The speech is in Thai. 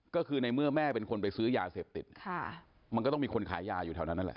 ก็คือในเมื่อแม่เป็นคนไปซื้อยาเสพติดมันก็ต้องมีคนขายยาอยู่แถวนั้นนั่นแหละ